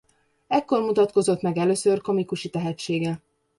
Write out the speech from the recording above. Ekkor mutatkozott meg először komikusi tehetsége.